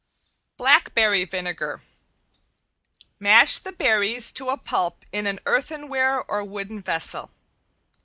~BLACKBERRY VINEGAR~ Mash the berries to a pulp in an earthenware or wooden vessel.